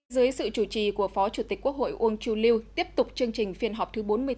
dưới sự chủ trì của phó chủ tịch quốc hội uông chu lưu tiếp tục chương trình phiên họp thứ bốn mươi bốn